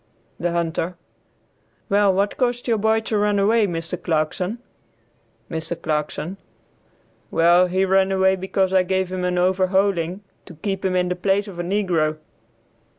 The Hunter. "Well, what caused your boy to run away, Mr. Clarkson?" Mr. Clarkson. "Well he ran away because I gave him an overhauling, to keep him in the place of a negro."